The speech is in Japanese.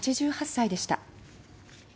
８８歳でした。